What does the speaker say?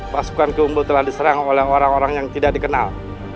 pasukan keunggu telah diserang oleh orang orang yang tidak dikenal